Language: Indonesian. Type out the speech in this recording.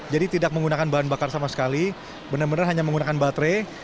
jadi tidak menggunakan bahan bakar sama sekali benar benar hanya menggunakan baterai